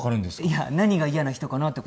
いや何が嫌な人かなってことが。